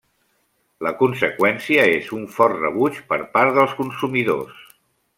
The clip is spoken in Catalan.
La conseqüència és un fort rebuig per part dels consumidors.